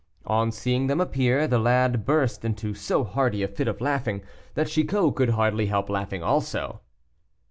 On seeing them appear, the lad burst into so hearty a fit of laughing, that Chicot could hardly help laughing also.